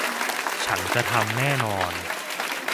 ฉันจะทำแน่นอน